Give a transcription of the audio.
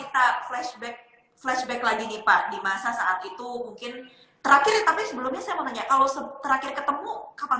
tapi kalau kita flashback lagi nih pak di masa saat itu mungkin